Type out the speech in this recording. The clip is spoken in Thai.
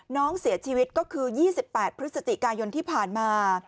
น้องเสียชีวิตก็คือ๒๘พฤศจิกายนที่ผ่านมา